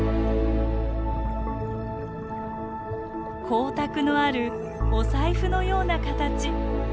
光沢のあるお財布のような形。